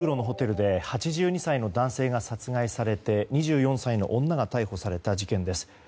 東京・池袋のホテルで８２歳の男性が殺害されて２４歳の女が逮捕された事件です。